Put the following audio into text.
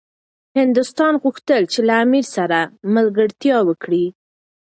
هندوستان غوښتل چي له امیر سره ملګرتیا وکړي.